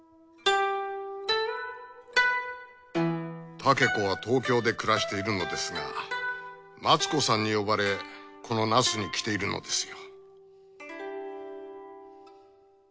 竹子は東京で暮らしているのですが松子さんに呼ばれこの那須に来ているのですよ。